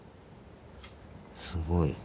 すごい。